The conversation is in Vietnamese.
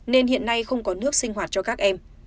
nên hiện nay không có nước sinh hoạt cho các em